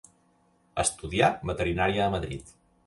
Estudià veterinària a Madrid.